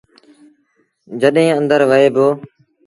جڏهيݩ آݩدر وهيٚبو اهي۔